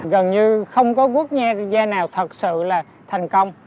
gần như không có quốc gia nào thật sự là thành công